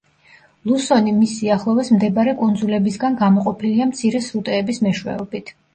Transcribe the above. ლუსონი მის სიახლოვეს მდებარე კუნძულებისგან გამოყოფილია მცირე სრუტეების მეშვეობით.